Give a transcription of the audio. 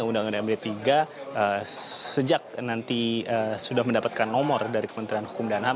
undang undang md tiga sejak nanti sudah mendapatkan nomor dari kementerian hukum dan ham